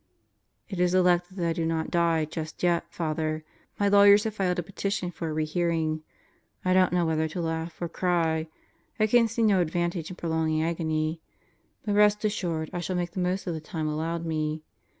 It is elected that I do not die just yet, Father. My lawyers have filed a petition for a rehearing. I don't know whether to laugh or cry. I can see no advantage in prolonging agony. But rest assured I shall make the most of the time allowed me.